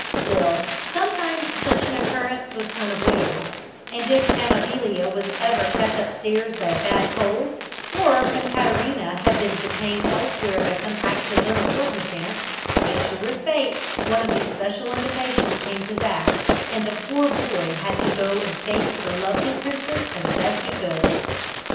Still, sometimes such an occurrence was unavoidable, and if Amabilia was ever kept up stairs by a bad cold, or Concaterina had been detained elsewhere by some accidental circumstance, as sure as fate, one of these special invitations came to Zac, and the poor boy had to go and face the lovely princess as best he could.